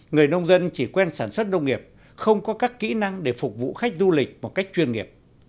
người nông dân chỉ quen sản xuất nông nghiệp không có các kỹ năng để phục vụ khách du lịch một cách chuyên nghiệp